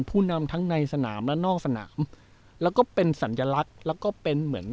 ผู้นำทั้งในสนามและนอกสนามแล้วก็เป็นสัญลักษณ์แล้วก็เป็นเหมือน